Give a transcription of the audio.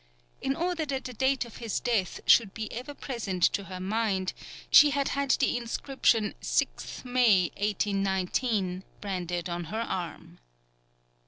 In order that the date of his death should be ever present to her mind she had had the inscription 6th May, 1819, branded on her arm.